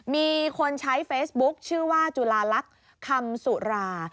มีคนใช้เฟซบุ๊คชื่อว่าจุลาลักษณ์คำสุรา